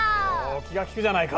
お気が利くじゃないか。